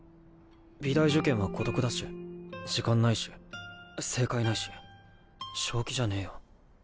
美大受験は孤独だし時間ないし正解ないし正気じゃねぇよ。